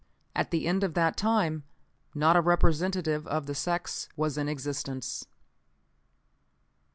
"_At the end of that time not a representative of the sex was in existence.